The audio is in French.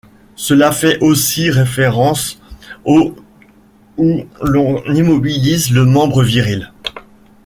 Cela fait aussi référence au où l'on immobilise le membre viril.